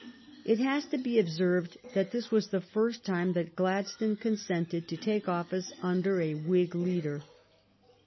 It has to be observed that this was the first time that Gladstone consented to take office under a Whig leader.